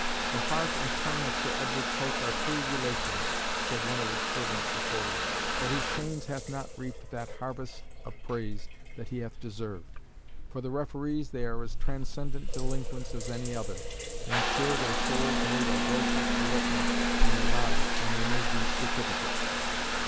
"The heart and tongue of Sir Edward Coke are true relations," said one of his fervent supporters; "but his pains hath not reaped that harvest of praise that he hath deserved. For the referees, they are as transcendent delinquents as any other, and sure their souls made a wilful elopement from their bodies when they made these certificates."